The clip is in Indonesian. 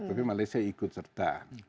tapi malaysia ikut serta